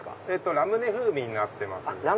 ラムネ風味になってます。